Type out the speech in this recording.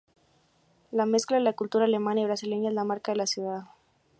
La mezcla de la cultura alemana y brasileña es la marca de la ciudad.